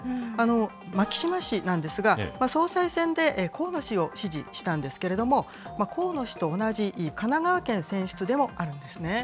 牧島氏なんですが、総裁選で河野氏を支持したんですけれども、河野氏と同じ神奈川県選出でもあるんですね。